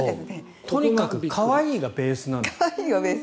とにかく可愛いがベースなんです。